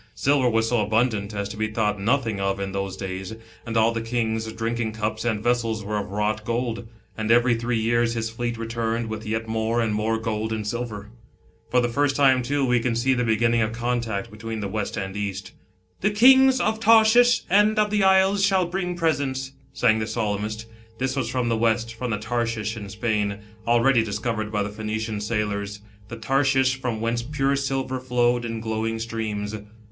Silver was so abundant, as to be thought nothing of in those days, and all the king's drinking cups and vessels were of wrought gold, and every three years his fleet returned w : th yet more and more gold and silver. For the "first time, too, we can see the beginning of contact between the West and East. "'The kings > of Tarshish and of the isles shall THE PHOENICIANS AT HOMr.. 47 i bring presents/' sang the Psa/mist. This was from th* West, from the Tarshish in Spain, 1 already dis covered by the Phoenician sailors, the Tarshish from whence pure silver flowed in glowing streams.